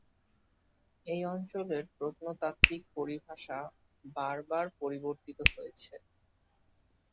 এই অঞ্চলের প্রত্নতাত্ত্বিক পরিভাষা বারবার পরিবর্তিত হয়েছে।